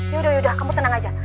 yaudah yaudah kamu tenang aja